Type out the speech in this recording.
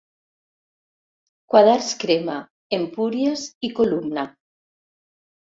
Quaderns Crema, Empúries i Columna.